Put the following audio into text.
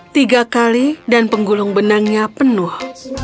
tiga kali dan penggulung benangnya penuh